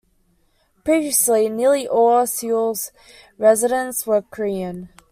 Previously, nearly all of Seoul's residents were Korean.